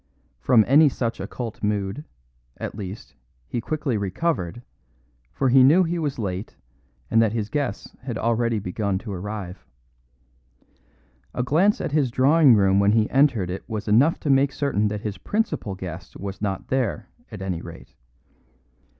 From any such occult mood, at least, he quickly recovered, for he knew he was late, and that his guests had already begun to arrive. A glance at his drawing room when he entered it was enough to make certain that his principal guest was not there, at any rate.